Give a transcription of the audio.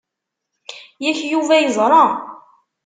Yak, Yuba yeẓṛa.